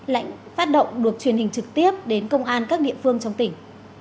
lệnh phát động được truyền hình trực tiếp đến công an các địa phương trong tỉnh